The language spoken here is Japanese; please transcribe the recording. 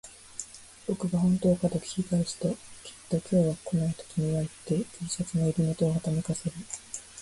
僕が本当かと聞き返すと、きっと今日は来ないと君は言って、Ｔ シャツの襟元をはためかせる